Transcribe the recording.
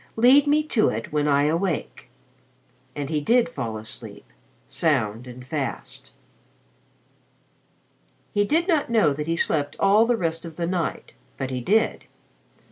Lead me to it when I awake." And he did fall asleep, sound and fast. He did not know that he slept all the rest of the night. But he did.